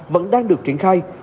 vẫn đang được truyền thông tin